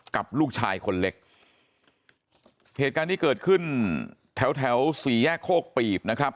กับลูกชายคนเล็กเหตุการณ์นี้เกิดขึ้นแถวแถวสี่แยกโคกปีบนะครับ